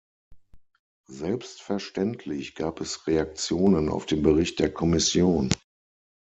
Selbstverständlich gab es Reaktionen auf den Bericht der Kommission.